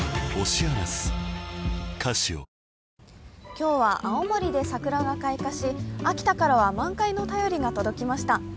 今日は青森で桜が開花し、秋田からは満開の便りが届きました。